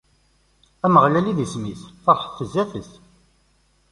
Ameɣlal i d-isem-is, feṛḥet zdat-es!